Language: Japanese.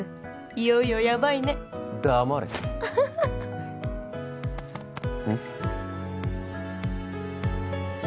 いよいよやばいね黙れうん？